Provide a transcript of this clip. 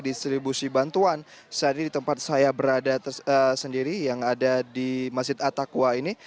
distribusi bantuan saat ini di tempat saya berada sendiri yang ada di masjid atakwa ini